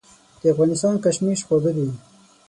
د افغانستان کشمش خواږه دي.